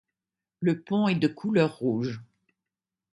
Le pont est de couleur rouge.